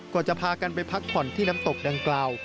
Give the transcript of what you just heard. จะพากันไปพักผ่อนที่น้ำตกดังกล่าว